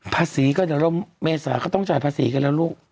ภาษีก็จะลดเมษายนก็ต้องจ่ายภาษีกันแล้วลุก